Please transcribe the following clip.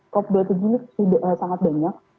cop dua puluh tujuh ini sangat banyak